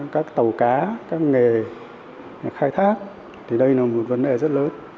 các tàu cá các nghề khai thác thì đây là một vấn đề rất lớn